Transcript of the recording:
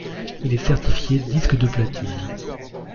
Il est certifié disque de platine.